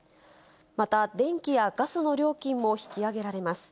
また電気やガスの料金も引き上げられます。